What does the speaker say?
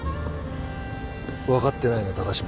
分かってないな高島。